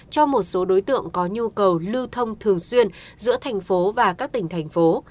cho một số đối tượng có nhu cầu lưu thông thường xuyên giữa thành phố và các tỉnh thành phố